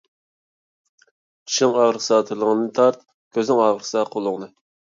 چىشىڭ ئاغرىسا تىلىڭنى تارت، كۆزۈڭ ئاغرىسا قولۇڭنى.